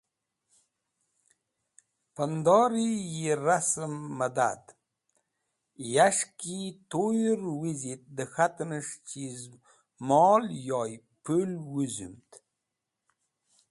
Pandori yi rasẽm medad, yẽs̃h ki toyẽr wizit dẽkhatnẽs̃h chiz mol yoy pũl wuzũmd